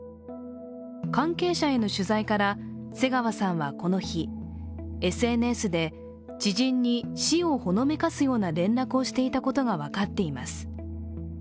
関係者への取材から瀬川さんはこの日、ＳＮＳで、知人に死をほのめかすような連絡をしていたことが分かっています。